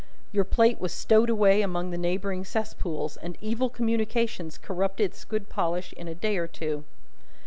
Your plate was stowed away among the neighbouring cesspools, and evil communications corrupted its good polish in a day or two.